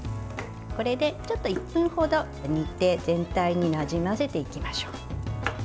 これで、ちょっと１分ほど煮て全体になじませていきましょう。